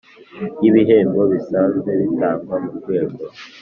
Y ibihembo bisanzwe bitangwa mu rwego